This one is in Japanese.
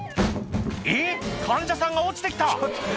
えっ患者さんが落ちて来た！